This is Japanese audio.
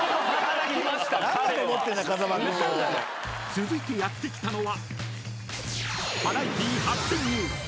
［続いてやって来たのは］